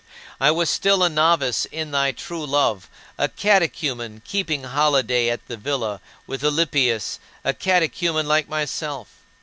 I was still a novice in thy true love, a catechumen keeping holiday at the villa, with Alypius, a catechumen like myself.